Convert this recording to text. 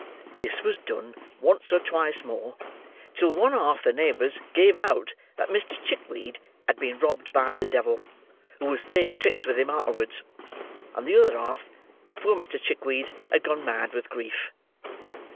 This was done, once or twice more, till one half the neighbours gave out that Mr. Chickweed had been robbed by the devil, who was playing tricks with him arterwards; and the other half, that poor Mr. Chickweed had gone mad with grief."